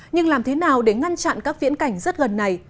nhưng làm thế nào để ngăn chặn các viễn cảnh rất gần này